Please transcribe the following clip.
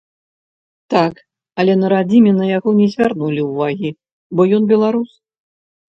Так, але на радзіме на яго не звярнулі ўвагі, бо ён беларус.